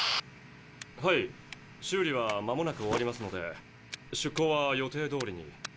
はい修理はまもなく終わりますので出航は予定どおりに。